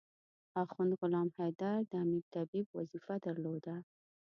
اخند غلام حیدر د امیر طبيب وظیفه درلوده.